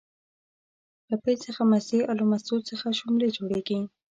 له پی څخه مستې او له مستو څخه شلومبې جوړيږي